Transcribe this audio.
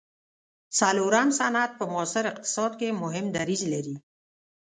څلورم صنعت په معاصر اقتصاد کې مهم دریځ لري.